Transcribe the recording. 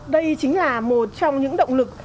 đây chính là một trong những động lực